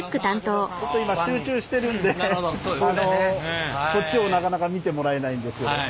ちょっと今集中してるんでこっちをなかなか見てもらえないんですけど。